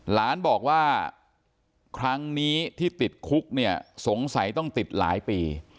หลานบอกว่าครั้งนี้ที่ติดคุกเนี่ยสงสัยต้องติดหลายปี